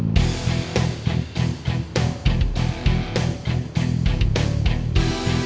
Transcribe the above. masih lama kita tak bisa jalan turun